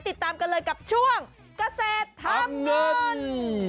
ติดตามกันเลยกับช่วงเกษตรทำเงิน